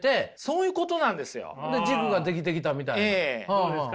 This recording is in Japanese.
どうですか？